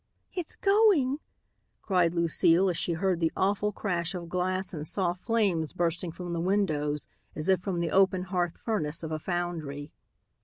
"It's going," cried Lucile as she heard the awful crash of glass and saw flames bursting from the windows as if from the open hearth furnace of a foundry.